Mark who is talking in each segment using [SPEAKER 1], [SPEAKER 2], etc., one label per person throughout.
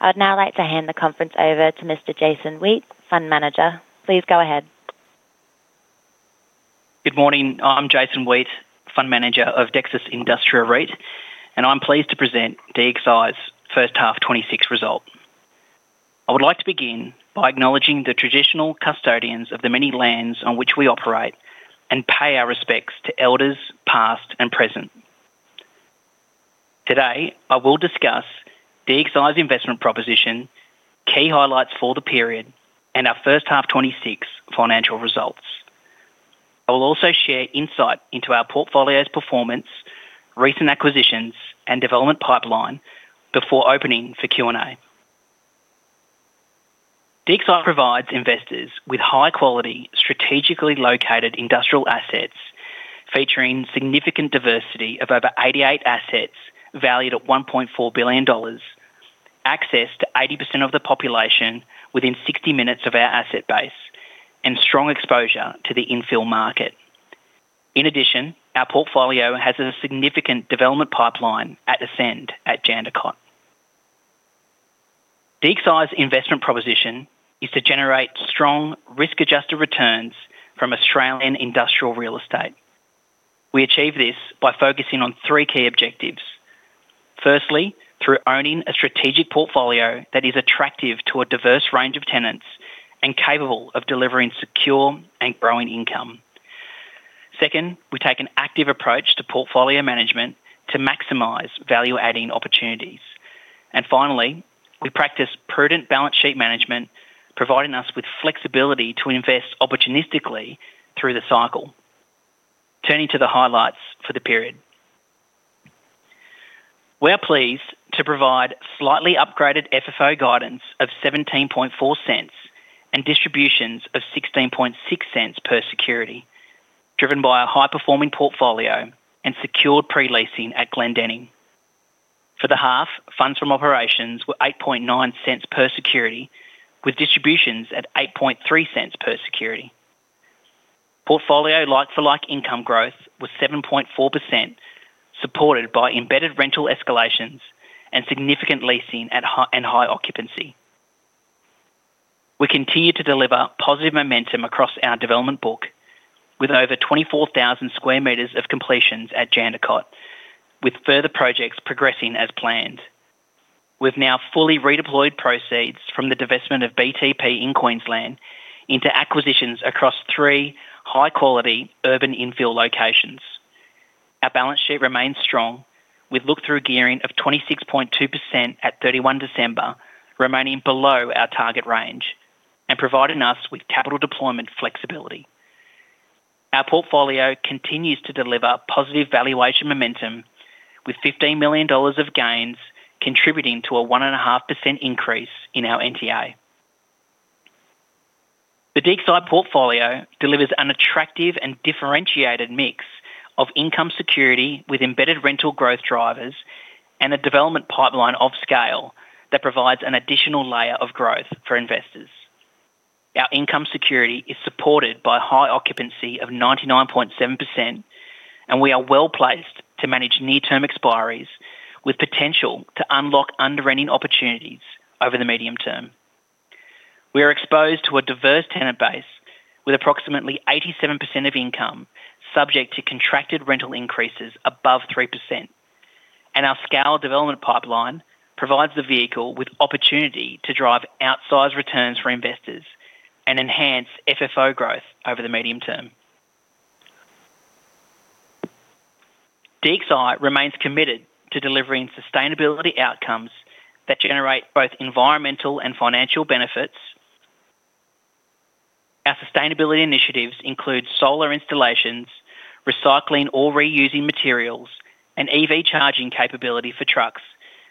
[SPEAKER 1] I would now like to hand the conference over to Mr. Jason Weate, Fund Manager. Please go ahead.
[SPEAKER 2] Good morning. I'm Jason Weate, Fund Manager of Dexus Industria REIT, and I'm pleased to present Dexus's first half 2026 result. I would like to begin by acknowledging the traditional custodians of the many lands on which we operate and pay our respects to elders past and present. Today I will discuss Dexus's investment proposition, key highlights for the period, and our first half 2026 financial results. I will also share insight into our portfolio's performance, recent acquisitions, and development pipeline before opening for Q&A. Dexus provides investors with high-quality, strategically located industrial assets featuring significant diversity of over 88 assets valued at 1,400,000,000 dollars, access to 80% of the population within 60 minutes of our asset base, and strong exposure to the infill market. In addition, our portfolio has a significant development pipeline at Ascend at Jandakot. DXI's investment proposition is to generate strong, risk-adjusted returns from Australian industrial real estate. We achieve this by focusing on three key objectives. Firstly, through owning a strategic portfolio that is attractive to a diverse range of tenants and capable of delivering secure and growing income. Second, we take an active approach to portfolio management to maximize value-adding opportunities. Finally, we practice prudent balance sheet management, providing us with flexibility to invest opportunistically through the cycle. Turning to the highlights for the period. We are pleased to provide slightly upgraded FFO guidance of 0.174 and distributions of 0.166 per security, driven by a high-performing portfolio and secured pre-leasing at Glendenning. For the half, funds from operations were 0.089 per security, with distributions at 0.083 per security. Portfolio like-for-like income growth was 7.4%, supported by embedded rental escalations and significant leasing and high occupancy. We continue to deliver positive momentum across our development book, with over 24,000 square meters of completions at Jandakot, with further projects progressing as planned. We've now fully redeployed proceeds from the divestment of BTP in Queensland into acquisitions across three high-quality urban infill locations. Our balance sheet remains strong, with look-through gearing of 26.2% at 31 December remaining below our target range and providing us with capital deployment flexibility. Our portfolio continues to deliver positive valuation momentum, with 15,000,000 dollars of gains contributing to a 1.5% increase in our NTA. The DXI portfolio delivers an attractive and differentiated mix of income security with embedded rental growth drivers and a development pipeline of scale that provides an additional layer of growth for investors. Our income security is supported by high occupancy of 99.7%, and we are well-placed to manage near-term expiries with potential to unlock under-renting opportunities over the medium term. We are exposed to a diverse tenant base with approximately 87% of income subject to contracted rental increases above 3%, and our scale development pipeline provides the vehicle with opportunity to drive outsized returns for investors and enhance FFO growth over the medium term. Dexus remains committed to delivering sustainability outcomes that generate both environmental and financial benefits. Our sustainability initiatives include solar installations, recycling or reusing materials, and EV charging capability for trucks,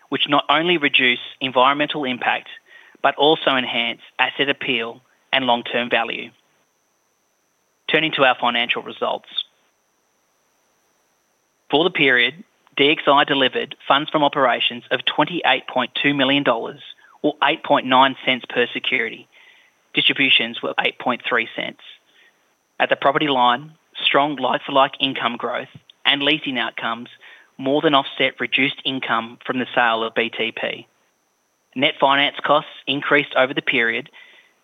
[SPEAKER 2] which not only reduce environmental impact but also enhance asset appeal and long-term value. Turning to our financial results. For the period, Dexus delivered funds from operations of 28,200,000 dollars or 0.089 per security. Distributions were 0.083. At the property line, strong like-for-like income growth and leasing outcomes more than offset reduced income from the sale of BTP. Net finance costs increased over the period,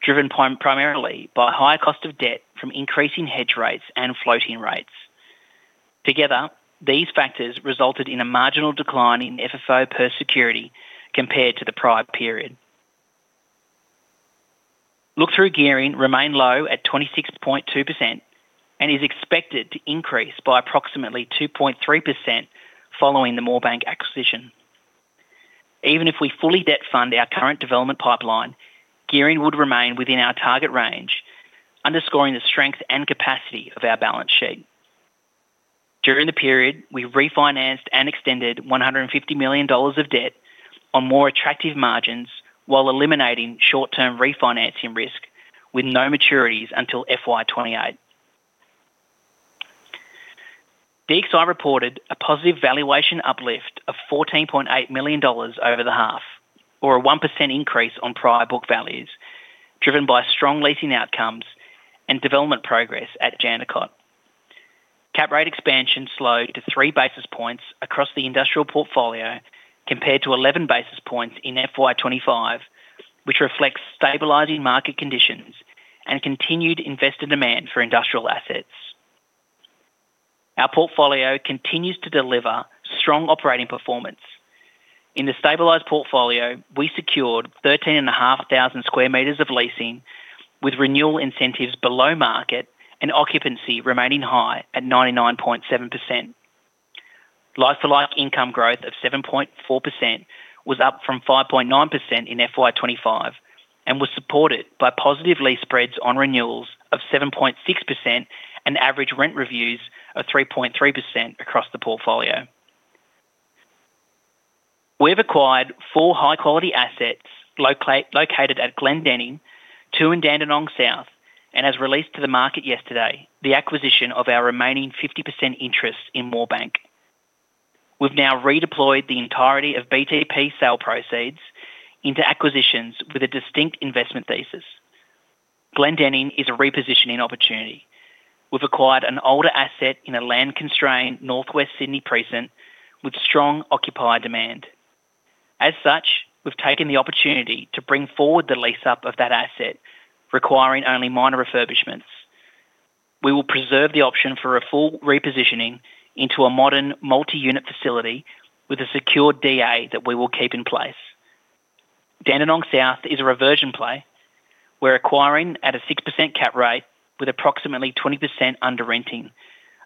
[SPEAKER 2] driven primarily by higher cost of debt from increasing hedge rates and floating rates. Together, these factors resulted in a marginal decline in FFO per security compared to the prior period. Look-through gearing remained low at 26.2% and is expected to increase by approximately 2.3% following the Moorebank acquisition. Even if we fully debt-fund our current development pipeline, gearing would remain within our target range, underscoring the strength and capacity of our balance sheet. During the period, we refinanced and extended 150,000,000 dollars of debt on more attractive margins while eliminating short-term refinancing risk with no maturities until FY28. DXI reported a positive valuation uplift of 14,800,000 dollars over the half, or a 1% increase on prior book values, driven by strong leasing outcomes and development progress at Jandakot. Cap rate expansion slowed to three basis points across the industrial portfolio compared to 11 basis points in FY 2025, which reflects stabilizing market conditions and continued investor demand for industrial assets. Our portfolio continues to deliver strong operating performance. In the stabilized portfolio, we secured 13,500 square meters of leasing with renewal incentives below market and occupancy remaining high at 99.7%. Like-for-like income growth of 7.4% was up from 5.9% in FY 2025 and was supported by positive lease spreads on renewals of 7.6% and average rent reviews of 3.3% across the portfolio. We have acquired four high-quality assets located at Glendenning, two in Dandenong South, and has released to the market yesterday the acquisition of our remaining 50% interest in Moorebank. We've now redeployed the entirety of BTP sale proceeds into acquisitions with a distinct investment thesis. Glendenning is a repositioning opportunity. We've acquired an older asset in a land-constrained northwest Sydney precinct with strong occupier demand. As such, we've taken the opportunity to bring forward the lease-up of that asset, requiring only minor refurbishments. We will preserve the option for a full repositioning into a modern multi-unit facility with a secured DA that we will keep in place. Dandenong South is a reversion play. We're acquiring at a 6% cap rate with approximately 20% under-renting,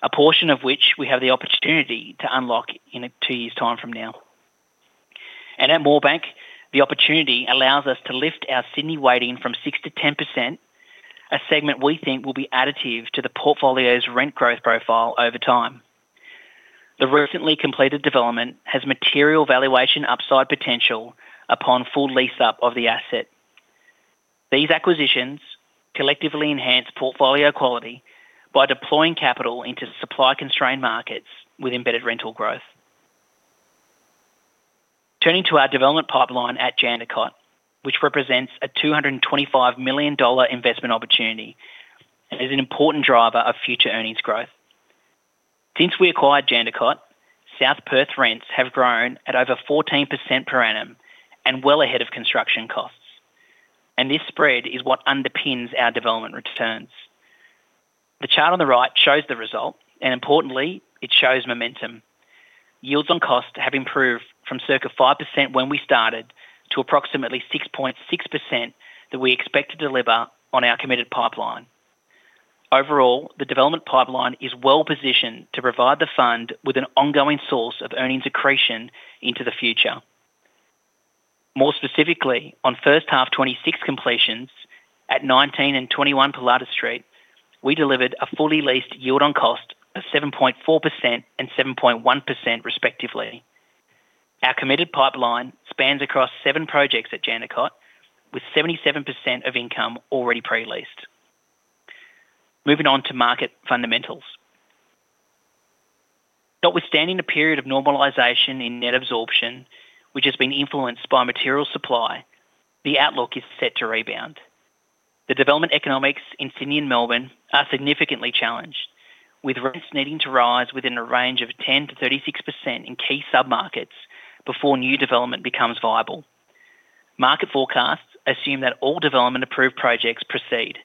[SPEAKER 2] a portion of which we have the opportunity to unlock in two years' time from now. At Moorebank, the opportunity allows us to lift our Sydney weighting from 6%-10%, a segment we think will be additive to the portfolio's rent growth profile over time. The recently completed development has material valuation upside potential upon full lease-up of the asset. These acquisitions collectively enhance portfolio quality by deploying capital into supply-constrained markets with embedded rental growth. Turning to our development pipeline at Jandakot, which represents an 225,000,000 dollar investment opportunity and is an important driver of future earnings growth. Since we acquired Jandakot, South Perth rents have grown at over 14% per annum and well ahead of construction costs. And this spread is what underpins our development returns. The chart on the right shows the result. And importantly, it shows momentum. Yields on cost have improved from circa 5% when we started to approximately 6.6% that we expect to deliver on our committed pipeline. Overall, the development pipeline is well-positioned to provide the fund with an ongoing source of earnings accretion into the future. More specifically, on first half 2026 completions at 19 and 21 Pilatus Street, we delivered a fully leased yield on cost of 7.4% and 7.1% respectively. Our committed pipeline spans across seven projects at Jandakot, with 77% of income already pre-leased. Moving on to market fundamentals. Notwithstanding a period of normalization in net absorption, which has been influenced by material supply, the outlook is set to rebound. The development economics in Sydney and Melbourne are significantly challenged, with rents needing to rise within a range of 10%-36% in key submarkets before new development becomes viable. Market forecasts assume that all development-approved projects proceed,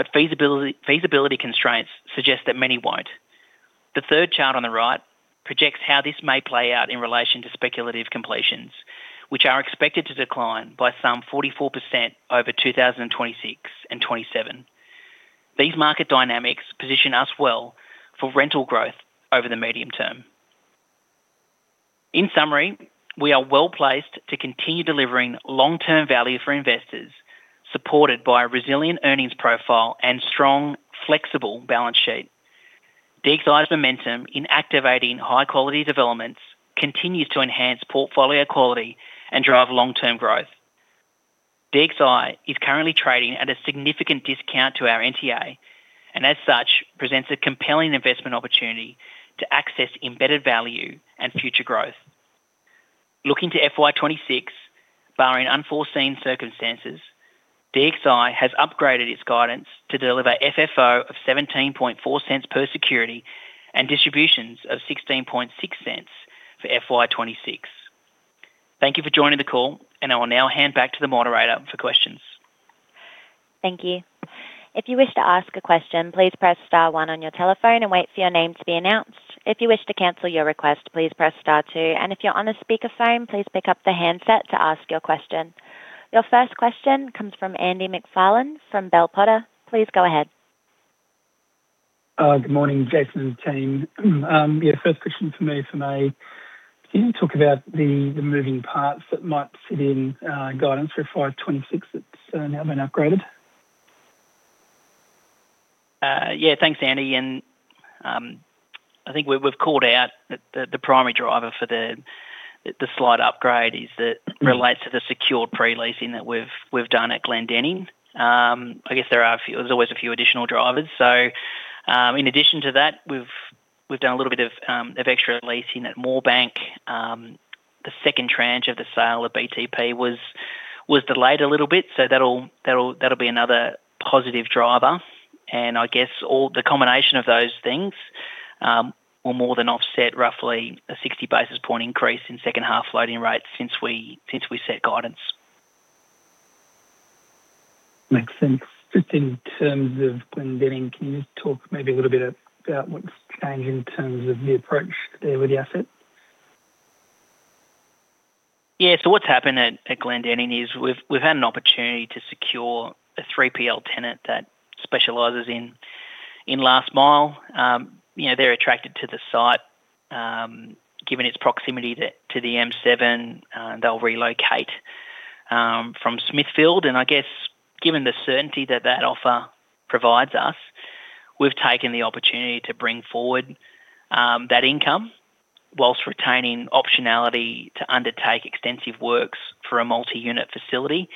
[SPEAKER 2] but feasibility constraints suggest that many won't. The third chart on the right projects how this may play out in relation to speculative completions, which are expected to decline by some 44% over 2026 and 2027. These market dynamics position us well for rental growth over the medium term. In summary, we are well-placed to continue delivering long-term value for investors, supported by a resilient earnings profile and strong, flexible balance sheet. DXI's momentum in activating high-quality developments continues to enhance portfolio quality and drive long-term growth. DXI is currently trading at a significant discount to our NTA and, as such, presents a compelling investment opportunity to access embedded value and future growth. Looking to FY26, barring unforeseen circumstances, DXI has upgraded its guidance to deliver FFO of 0.174 per security and distributions of 0.166 for FY26. Thank you for joining the call. I will now hand back to the moderator for questions.
[SPEAKER 1] Thank you. If you wish to ask a question, please press star 1 on your telephone and wait for your name to be announced. If you wish to cancel your request, please press star 2. And if you're on a speakerphone, please pick up the handset to ask your question. Your first question comes from Andy MacFarlane from Bell Potter. Please go ahead.
[SPEAKER 3] Good morning, Jason and team. Yeah, first question for me from A. Can you talk about the moving parts that might sit in guidance for FY26 that's now been upgraded?
[SPEAKER 2] Yeah, thanks, Andy. And I think we've called out that the primary driver for the slight upgrade relates to the secured pre-leasing that we've done at Glendenning. I guess there's always a few additional drivers. So in addition to that, we've done a little bit of extra leasing at Moorebank. The second tranche of the sale of BTP was delayed a little bit. So that'll be another positive driver. And I guess the combination of those things will more than offset roughly a 60 basis point increase in second-half floating rates since we set guidance.
[SPEAKER 3] Makes sense. Just in terms of Glendenning, can you just talk maybe a little bit about what's changed in terms of the approach there with the asset?
[SPEAKER 2] Yeah, so what's happened at Glendenning is we've had an opportunity to secure a 3PL tenant that specializes in last mile. They're attracted to the site. Given its proximity to the M7, they'll relocate from Smithfield. And I guess given the certainty that that offer provides us, we've taken the opportunity to bring forward that income whilst retaining optionality to undertake extensive works for a multi-unit facility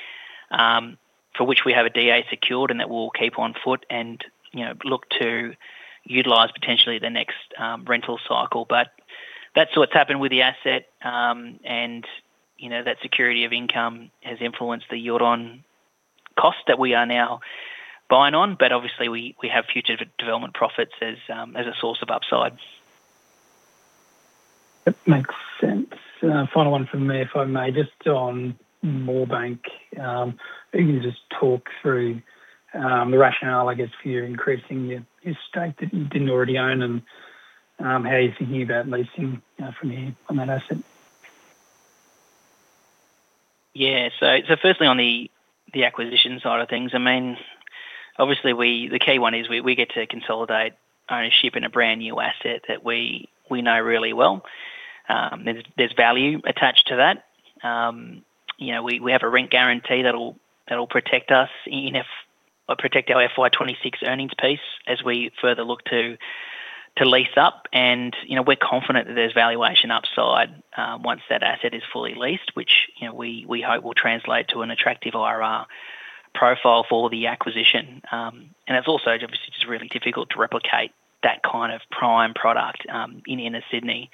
[SPEAKER 2] for which we have a DA secured and that will keep on foot and look to utilise potentially the next rental cycle. But that's what's happened with the asset. And that security of income has influenced the yield on cost that we are now buying on. But obviously, we have future development profits as a source of upside.
[SPEAKER 3] Makes sense. Final one from me, if I may. Just on Moorebank, if you can just talk through the rationale, I guess, for you increasing your estate that you didn't already own and how you're thinking about leasing from here on that asset.
[SPEAKER 2] Yeah, so firstly, on the acquisition side of things, I mean, obviously, the key one is we get to consolidate ownership in a brand new asset that we know really well. There's value attached to that. We have a rent guarantee that'll protect us or protect our FY26 earnings piece as we further look to lease up. And we're confident that there's valuation upside once that asset is fully leased, which we hope will translate to an attractive IRR profile for the acquisition. And it's also, obviously, just really difficult to replicate that kind of prime product in Sydney.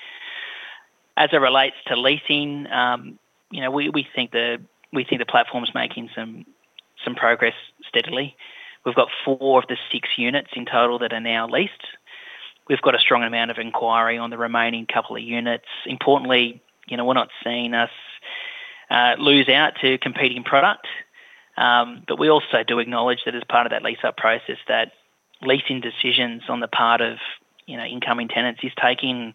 [SPEAKER 2] As it relates to leasing, we think the platform's making some progress steadily. We've got 4 of the 6 units in total that are now leased. We've got a strong amount of inquiry on the remaining couple of units. Importantly, we're not seeing us lose out to competing product. But we also do acknowledge that as part of that lease-up process, that leasing decisions on the part of incoming tenants is taking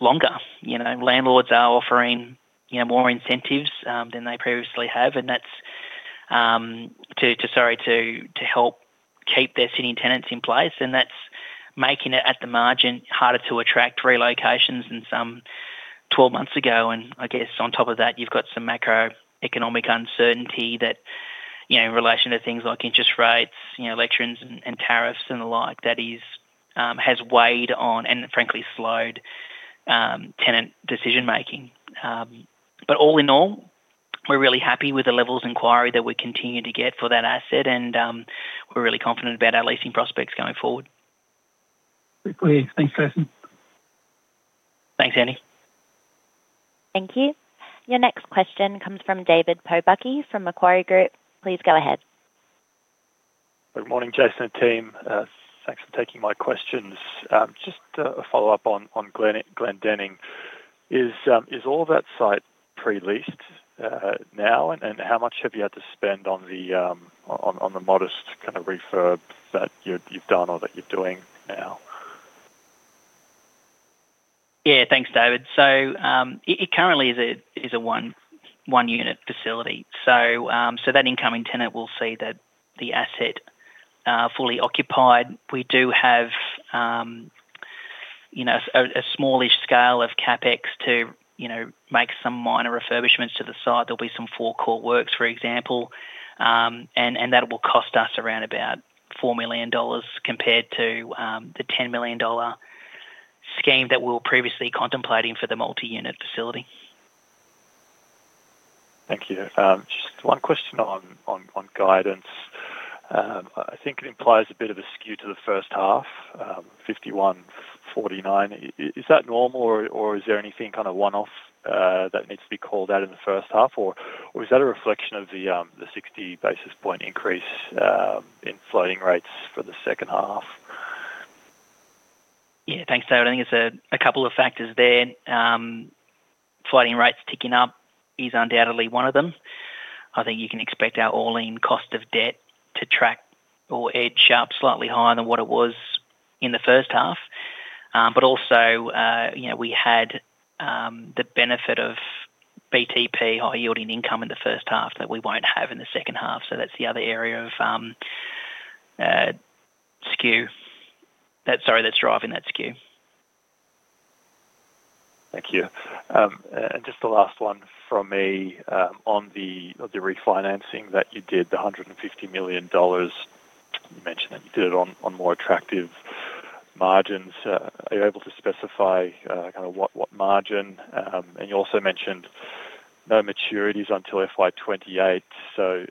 [SPEAKER 2] longer. Landlords are offering more incentives than they previously have. And that's to help keep their sitting tenants in place. And that's making it, at the margin, harder to attract relocations than some 12 months ago. And I guess on top of that, you've got some macroeconomic uncertainty that in relation to things like interest rates, elections, and tariffs and the like that has weighed on and, frankly, slowed tenant decision-making. But all in all, we're really happy with the levels of inquiry that we continue to get for that asset. And we're really confident about our leasing prospects going forward.
[SPEAKER 3] Quickly, thanks, Jason.
[SPEAKER 2] Thanks, Andy. Thank you.
[SPEAKER 1] Your next question comes from David Pobucky from Macquarie Group. Please go ahead.
[SPEAKER 4] Good morning, Jason and team. Thanks for taking my questions. Just a follow-up on Glendenning. Is all of that site pre-leased now? And how much have you had to spend on the modest kind of refurb that you've done or that you're doing now?
[SPEAKER 2] Yeah, thanks, David. So it currently is a one-unit facility. So that incoming tenant will see the asset fully occupied. We do have a smallish scale of CapEx to make some minor refurbishments to the site. There'll be some forecourt works, for example. And that will cost us around about 4,000,000 dollars compared to the 10,000,000 dollar scheme that we were previously contemplating for the multi-unit facility.
[SPEAKER 4] Thank you. Just one question on guidance. I think it implies a bit of a skew to the first half, 51-49. Is that normal? Or is there anything kind of one-off that needs to be called out in the first half? Or is that a reflection of the 60 basis points increase in floating rates for the second half?
[SPEAKER 2] Yeah, thanks, David. I think there's a couple of factors there. Floating rates ticking up is undoubtedly one of them. I think you can expect our all-in cost of debt to track or edge up slightly higher than what it was in the first half. But also, we had the benefit of BTP, high-yielding income, in the first half that we won't have in the second half. So that's the other area of skew sorry, that's driving that skew.
[SPEAKER 4] Thank you. And just the last one from me on the refinancing that you did, the 150,000,000 dollars. You mentioned that you did it on more attractive margins. Are you able to specify kind of what margin? And you also mentioned no maturities until FY28. So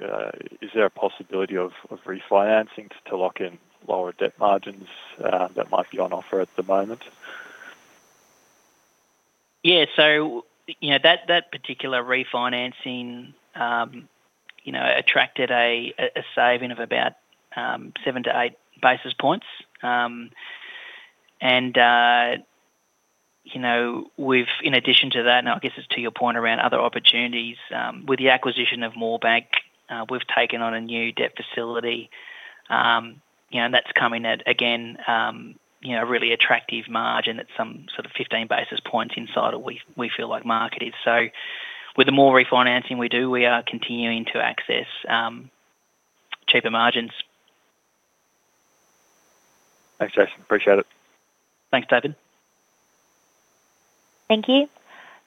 [SPEAKER 4] is there a possibility of refinancing to lock in lower debt margins that might be on offer at the moment?
[SPEAKER 2] Yeah, so that particular refinancing attracted a saving of about 7-8 basis points. And in addition to that and I guess it's to your point around other opportunities. With the acquisition of Moorebank, we've taken on a new debt facility. And that's coming at, again, a really attractive margin at some sort of 15 basis points inside of what we feel like market is. So with the more refinancing we do, we are continuing to access cheaper margins.
[SPEAKER 4] Thanks, Jason. Appreciate it.
[SPEAKER 2] Thanks, David.
[SPEAKER 1] Thank you.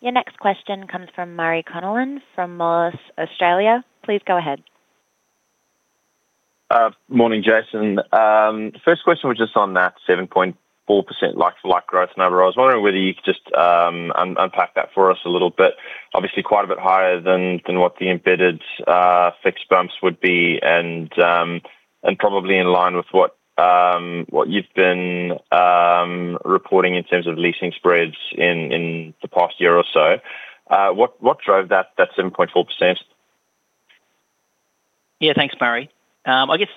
[SPEAKER 1] Your next question comes from Murray Connellan from Moelis Australia. Please go ahead.
[SPEAKER 5] Morning, Jason. First question was just on that 7.4% like-for-like growth number. I was wondering whether you could just unpack that for us a little bit. Obviously, quite a bit higher than what the embedded fixed bumps would be and probably in line with what you've been reporting in terms of leasing spreads in the past year or so. What drove that 7.4%?
[SPEAKER 2] Yeah, thanks, Murray. I guess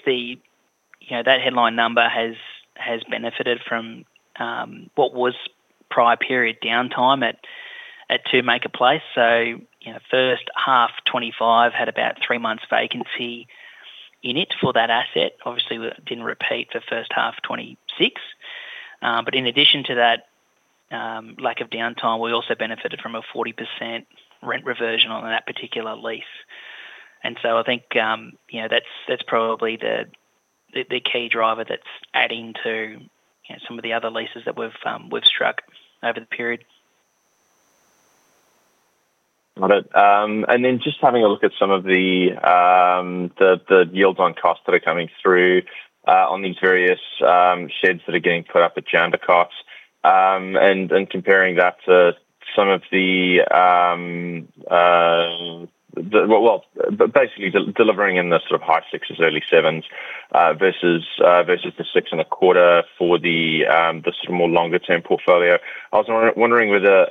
[SPEAKER 2] that headline number has benefited from what was prior period downtime at 2 Maker Place. So first half 2025 had about three months' vacancy in it for that asset. Obviously, it didn't repeat for first half 2026. But in addition to that lack of downtime, we also benefited from a 40% rent reversion on that particular lease. And so I think that's probably the key driver that's adding to some of the other leases that we've struck over the period.
[SPEAKER 5] Got it. And then just having a look at some of the yields on costs that are coming through on these various sheds that are getting put up at Jandakot and comparing that to some of the, well, basically, delivering in the sort of high 6%-early 7% versus the 6.25% for the sort of more longer-term portfolio. I was wondering whether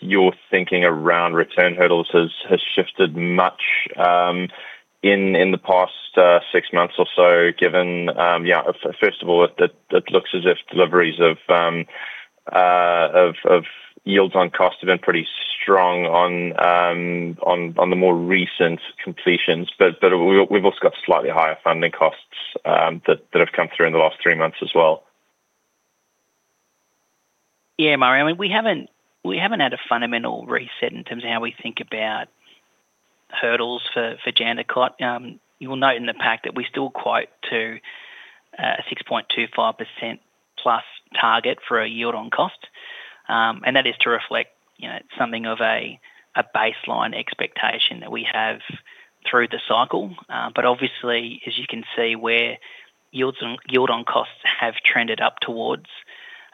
[SPEAKER 5] your thinking around return hurdles has shifted much in the past 6 months or so given first of all, it looks as if deliveries of yields on cost have been pretty strong on the more recent completions. But we've also got slightly higher funding costs that have come through in the last 3 months as well.
[SPEAKER 2] Yeah, Murray. I mean, we haven't had a fundamental reset in terms of how we think about hurdles for Jandakot. You will note in the pack that we still quote to a 6.25%+ target for a yield on cost. That is to reflect something of a baseline expectation that we have through the cycle. But obviously, as you can see where yields on costs have trended up towards,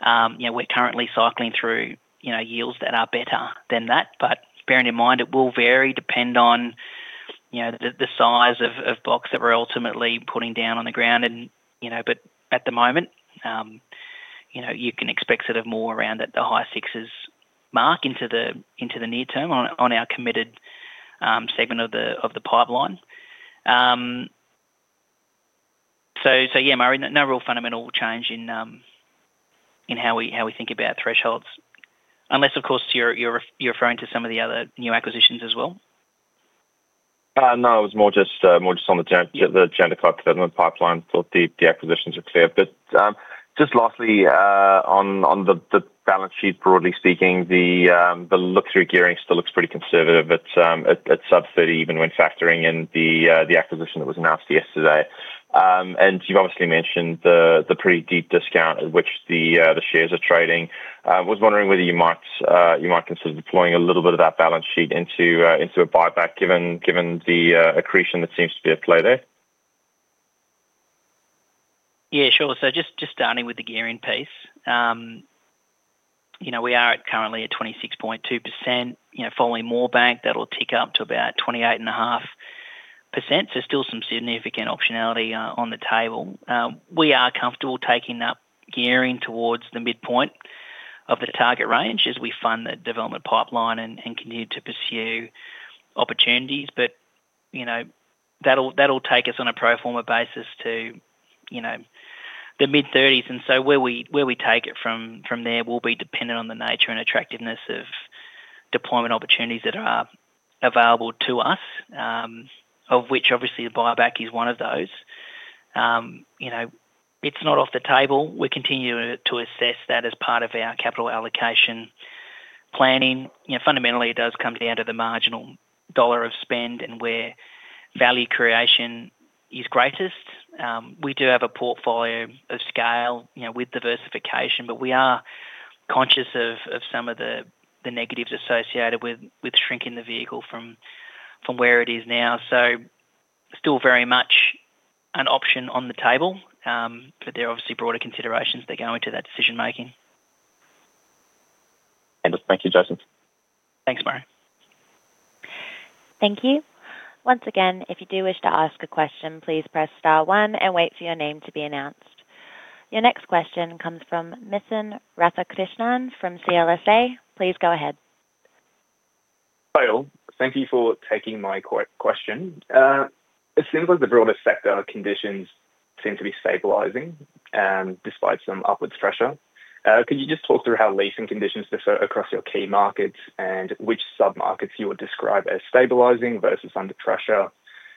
[SPEAKER 2] we're currently cycling through yields that are better than that. Bearing in mind, it will vary, depend on the size of blocks that we're ultimately putting down on the ground. At the moment, you can expect sort of more around the high sixes mark into the near term on our committed segment of the pipeline. Yeah, Murray, no real fundamental change in how we think about thresholds unless, of course, you're referring to some of the other new acquisitions as well.
[SPEAKER 5] No, it was more just on the Jandakot development pipeline till the acquisitions are clear. But just lastly, on the balance sheet, broadly speaking, the look-through gearing still looks pretty conservative. It's sub-30% even when factoring in the acquisition that was announced yesterday. And you've obviously mentioned the pretty deep discount at which the shares are trading. I was wondering whether you might consider deploying a little bit of that balance sheet into a buyback given the accretion that seems to be at play there.
[SPEAKER 2] Yeah, sure. So just starting with the gearing piece, we are currently at 26.2%. Following Moorebank, that'll tick up to about 28.5%. So still some significant optionality on the table. We are comfortable taking that gearing towards the midpoint of the target range as we fund the development pipeline and continue to pursue opportunities. But that'll take us on a pro forma basis to the mid-30s. And so where we take it from there will be dependent on the nature and attractiveness of deployment opportunities that are available to us, of which obviously, the buyback is one of those. It's not off the table. We continue to assess that as part of our capital allocation planning. Fundamentally, it does come down to the marginal dollar of spend and where value creation is greatest. We do have a portfolio of scale with diversification. But we are conscious of some of the negatives associated with shrinking the vehicle from where it is now. So still very much an option on the table. But there are obviously broader considerations that go into that decision-making.
[SPEAKER 5] Fantastic. Thank you, Jason. T
[SPEAKER 2] hanks, Murray.
[SPEAKER 1] Thank you. Once again, if you do wish to ask a question, please press star one and wait for your name to be announced. Your next question comes from Mithun Rathakrishnan from CLSA. Please go ahead.
[SPEAKER 6] Hi, all. Thank you for taking my question. It seems like the broader sector conditions seem to be stabilizing despite some upward pressure. Could you just talk through how leasing conditions differ across your key markets and which sub-markets you would describe as stabilizing versus under pressure?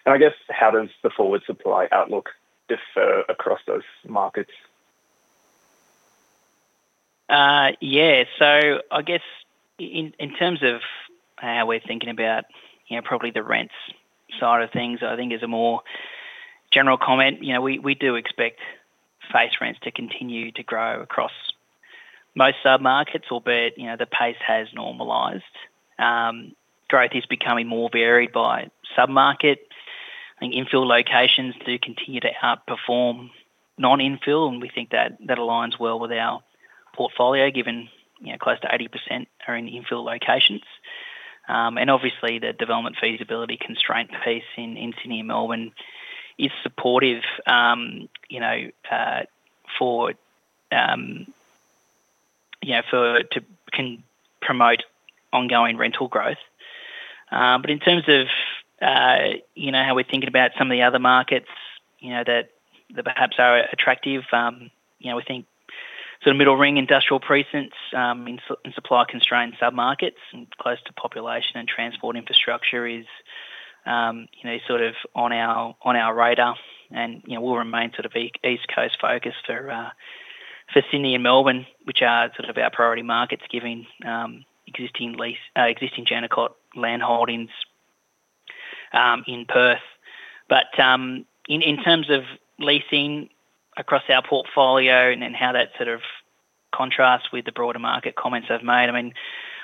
[SPEAKER 6] And I guess how does the forward supply outlook differ across those markets?
[SPEAKER 2] Yeah. So I guess in terms of how we're thinking about probably the rents side of things, I think as a more general comment, we do expect face rents to continue to grow across most sub-markets. Albeit, the pace has normalized. Growth is becoming more varied by sub-market. I think infill locations do continue to outperform non-infill. And we think that aligns well with our portfolio given close to 80% are in the infill locations. And obviously, the development feasibility constraint piece in Sydney and Melbourne is supportive to promote ongoing rental growth. But in terms of how we're thinking about some of the other markets that perhaps are attractive, we think sort of middle ring industrial precincts in supply-constrained sub-markets and close to population and transport infrastructure is sort of on our radar. And we'll remain sort of East Coast focused for Sydney and Melbourne, which are sort of our priority markets given existing Jandakot land holdings in Perth. But in terms of leasing across our portfolio and how that sort of contrasts with the broader market comments I've made, I mean,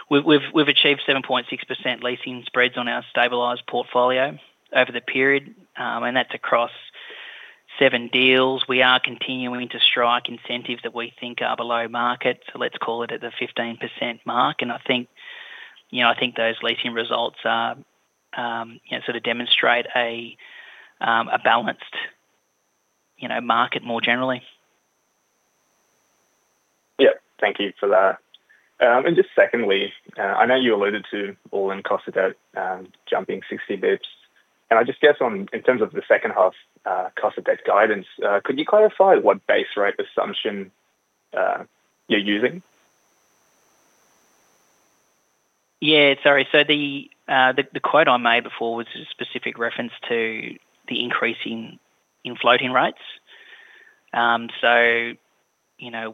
[SPEAKER 2] we've achieved 7.6% leasing spreads on our stabilized portfolio over the period. And that's across seven deals. We are continuing to strike incentives that we think are below market. So let's call it at the 15% mark. I think those leasing results sort of demonstrate a balanced market more generally.
[SPEAKER 6] Yeah, thank you for that. Just secondly, I know you alluded to all-in cost of debt jumping 60 basis points. I just guess in terms of the second half cost of debt guidance, could you clarify what base rate assumption you're using?
[SPEAKER 2] Yeah, sorry. The quote I made before was a specific reference to the increase in floating rates.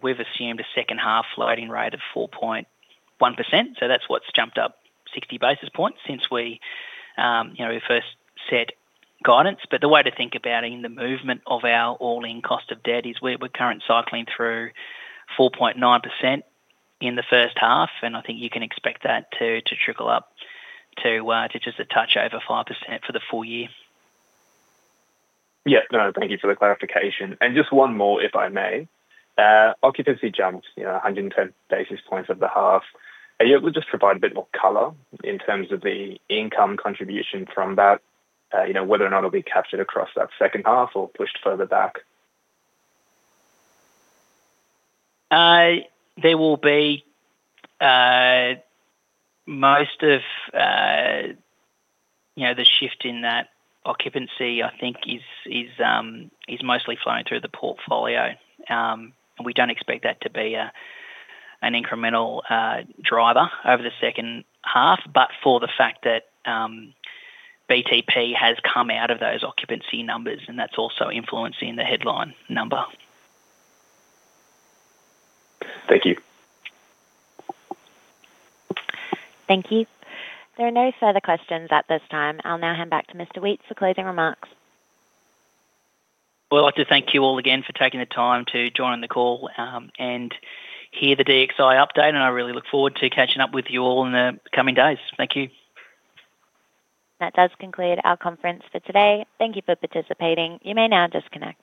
[SPEAKER 2] We've assumed a second half floating rate of 4.1%. That's what's jumped up 60 basis points since we first set guidance. But the way to think about it in the movement of our all-in cost of debt is we're currently cycling through 4.9% in the first half. I think you can expect that to trickle up to just a touch over 5% for the full year.
[SPEAKER 6] Yeah, no, thank you for the clarification. And just one more, if I may. Occupancy jumped 110 basis points over the half. Are you able to just provide a bit more color in terms of the income contribution from that, whether or not it'll be captured across that second half or pushed further back?
[SPEAKER 2] There will be most of the shift in that occupancy, I think, is mostly flowing through the portfolio. And we don't expect that to be an incremental driver over the second half but for the fact that BTP has come out of those occupancy numbers. And that's also influencing the headline number.
[SPEAKER 6] Thank you.
[SPEAKER 1] Thank you. There are no further questions at this time. I'll now hand back to Mr. Weate for closing remarks.
[SPEAKER 2] Well, I'd like to thank you all again for taking the time to join the call and hear the DXI update. I really look forward to catching up with you all in the coming days. Thank you.
[SPEAKER 1] That does conclude our conference for today. Thank you for participating. You may now disconnect.